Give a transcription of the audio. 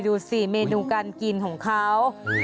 ดูสิเมนูการกินของเขา